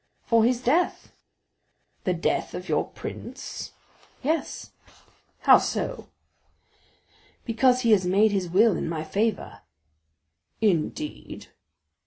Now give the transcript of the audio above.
"For his death." "The death of your prince?" "Yes." "How so?" "Because he has made his will in my favor." "Indeed?"